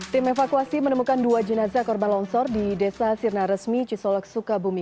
tim evakuasi menemukan dua jenazah korban longsor di desa sirna resmi cisolok sukabumi